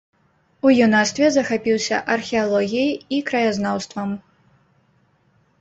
У юнацтве захапіўся археалогіяй і краязнаўствам.